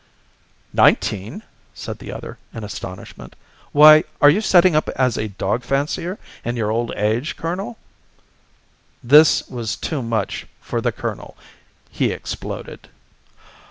"Nineteen?" said the other, in astonishment. "Why, are you setting up as a dog fancier in your old age, colonel?" This was too much for the colonel. He exploded.